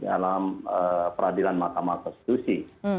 dalam peradilan mahkamah konstitusi